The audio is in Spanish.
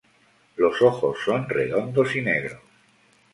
Los ojos son redondos y negros.